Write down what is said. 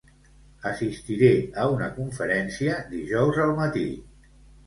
Assistiré a una conferència dijous al matí.